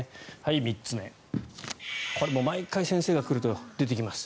３つ目、これも毎回先生が来ると出てきます。